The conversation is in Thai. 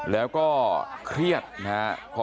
แล้วก็เครียดนะครับ